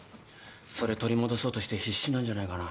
それ取り戻そうとして必死なんじゃないかな。